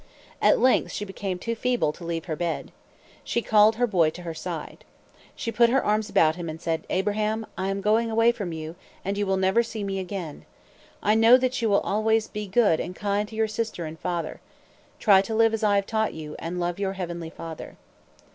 At length she became too feeble to leave her bed. She called her boy to her side. She put her arms about him and said: "Abraham, I am going away from you, and you will never see me again. I know that you will always be good and kind to your sister and father. Try to live as I have taught you, and to love your heavenly Father."